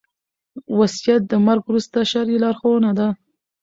وصيت د مرګ وروسته شرعي لارښوونه ده